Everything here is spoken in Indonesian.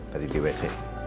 tadi di wc